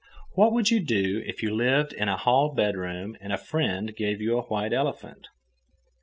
What would you do if you lived in a hall bedroom and a friend gave you a white elephant?